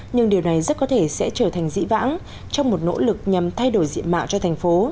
nhưng điều này rất có thể sẽ trở thành dĩ vãng trong một nỗ lực nhằm thay đổi diện mạo cho thành phố